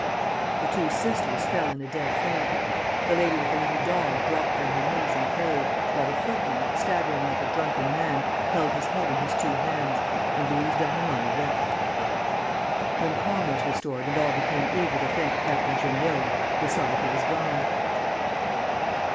The two sisters fell in a dead faint. The lady with the little dog dropped on her knees and prayed, while the footman, staggering like a drunken man, held his head in his two hands, and Louise d'Ernemont wept. When calm was restored and all became eager to thank Captain Jeanniot, they saw that he was gone.